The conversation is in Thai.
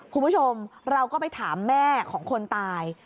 คุณผู้ชมเราก็ไปถามแม่ของคนตาย